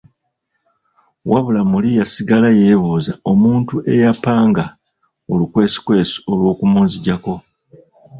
Wabula muli yasigala yeebuuza omuntu eyapanga olukwesikwesi olwokumunzigyako.